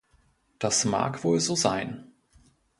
Das mag wohl so sein.